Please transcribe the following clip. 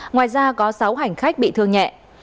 ngoài ra có sáu hành khách bị thương nhẹ